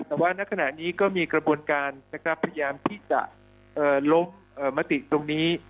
แต่ว่าในขณะนี้ก็มีกระบวนการพยายามที่จะลงมติตรงนี้